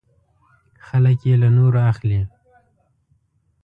خلک یې له نورو اخلي .